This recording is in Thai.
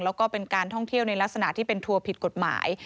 แล้วก็เป็นการท่องเที่ยวในลักษณะที่เป็นทัวร์ผิดกฎหมาย